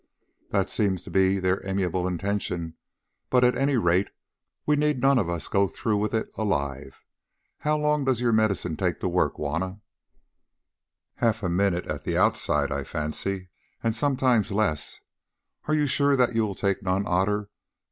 "That seems to be their amiable intention, but at any rate we need none of us go through with it alive. How long does your medicine take to work, Juanna?" "Half a minute at the outside, I fancy, and sometimes less. Are you sure that you will take none, Otter?